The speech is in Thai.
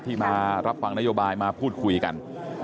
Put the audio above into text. ที่มารับฟังนโยบายมาพูดคุยกัน